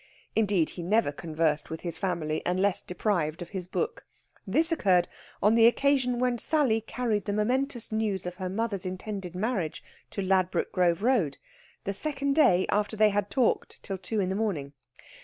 Indeed, he never conversed with his family unless deprived of his book. This occurred on the occasion when Sally carried the momentous news of her mother's intended marriage to Ladbroke Grove Road, the second day after they had talked till two in the morning.